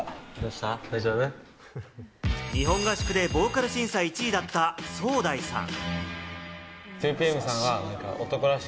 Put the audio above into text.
日本合宿でボーカル審査１位だった、ソウダイさん。